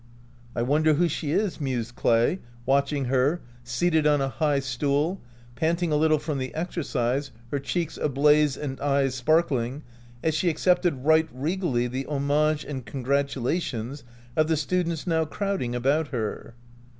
"I wonder who she is," mused Clay, watching her, seated on a high stool, panting a little from the exercise, her cheeks ablaze and eyes sparkling, as she accepted right regally the homage and congratulations of the students now crowding about her.